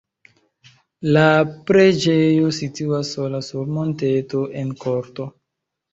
La preĝejo situas sola sur monteto en korto.